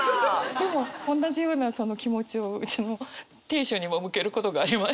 でもおんなじようなその気持ちをうちも亭主にも向けることがありまして。